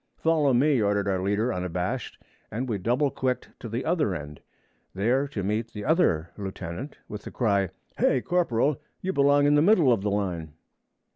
'Follow me,' ordered our leader unabashed; and we double quicked to the other end, there to meet the other lieutenant, with the cry, 'Hay, corporal! you belong in the middle of the line!'